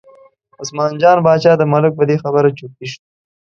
عثمان جان باچا د ملک په دې خبره چرتي شو.